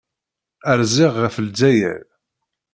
Rziɣ ɣef Lezzayer.